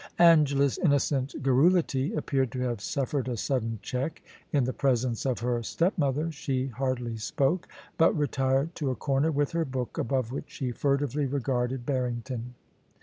Angela's innocent garrulity appeared to have suffered a sudden check ; in the presence of her stepmother she hardly spoke, but retired to a comer with her book, above which she furtively regarded Barrington.